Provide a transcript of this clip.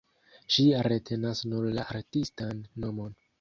Ŝi retenas nur la artistan nomon.